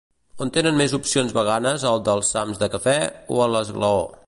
On tenen més opcions veganes al Delsams de cafè o a l'Esglaó?